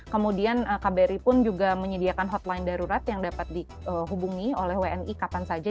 kemudian kbri pun juga menyediakan hotline darurat yang dapat dihubungi oleh wni kapan saja